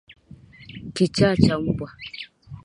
kichaa cha mbwa